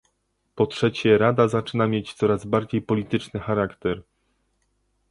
Po trzecie Rada zaczyna mieć coraz bardziej polityczny charakter